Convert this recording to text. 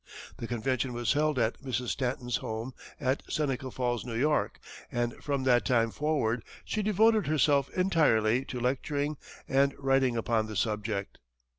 The convention was held at Mrs. Stanton's home at Seneca Falls, New York, and from that time forward, she devoted herself entirely to lecturing and writing upon the subject.